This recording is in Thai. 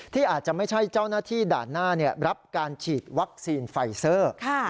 ที่อาจจะไม่ใช่เจ้าหน้าที่ด่านหน้ารับการฉีดวัคซีนไฟเซอร์